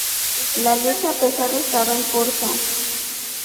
La lucha pesada estaba en curso.